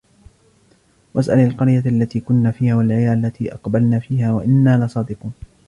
وَاسْأَلِ الْقَرْيَةَ الَّتِي كُنَّا فِيهَا وَالْعِيرَ الَّتِي أَقْبَلْنَا فِيهَا وَإِنَّا لَصَادِقُونَ